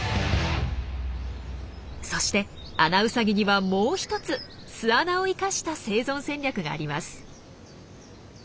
そしてアナウサギにはもう１つ巣穴を生かした生存戦略があります。